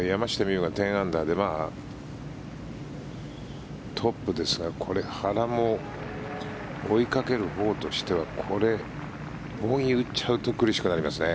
有が１０アンダーでトップですが、これ、原も追いかけるほうとしてはこれ、ボギーを打っちゃうと苦しくなりますね。